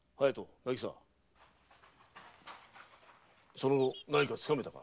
その後何かつかめたか？